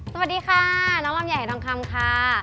สวัสดีค่ะน้องล่ามใหญ่อธรรมคัมคร้าาา